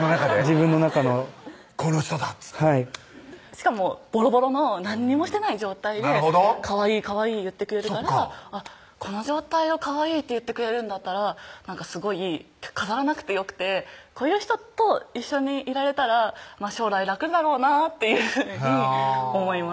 自分の中の「この人だ」っつってはいしかもボロボロの何にもしてない状態で「かわいいかわいい」言ってくれるからこの状態を「かわいい」って言ってくれるんだったらすごい飾らなくてよくてこういう人と一緒にいられたら将来楽だろうなっていうふうに思いました